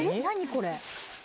これ。